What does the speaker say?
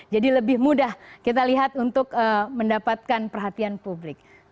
jadi lebih mudah kita lihat untuk mendapatkan perhatian publik